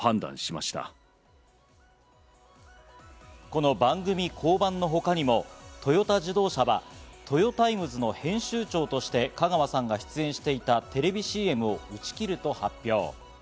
この番組降板の他にも、トヨタ自動車はトヨタイムズの編集長として香川さんが出演していたテレビＣＭを打ち切ると発表。